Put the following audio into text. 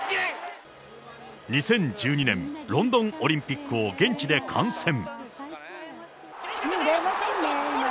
２０１２年ロンドンオリンピックを現地で観戦。